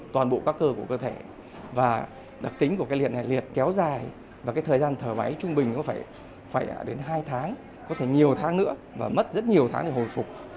toàn bộ các cơ của cơ thể và đặc tính của cái liền này liệt kéo dài và cái thời gian thở máy trung bình có phải đến hai tháng có thể nhiều tháng nữa và mất rất nhiều tháng để hồi phục